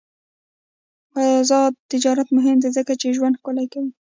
آزاد تجارت مهم دی ځکه چې ژوند ښکلی کوي.